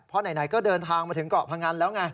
เพราะไหนก็เดินทางมาถึงเกาะพงันแล้วไง